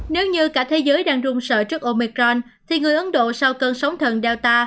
nếu như cả thế giới đang rung sợ trước omicron thì người ấn độ sau cơn sóng thần dowta